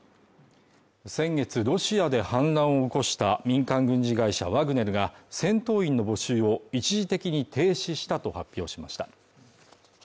先月ロシアで反乱を起こした民間軍事会社ワグネルが戦闘員の募集を一時的に停止したと発表しました。